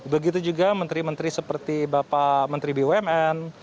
begitu juga menteri menteri seperti bapak menteri bumn